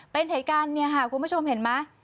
เป็นเหตุการณ์เนี่ยค่ะคุณผู้ชมเห็นไหม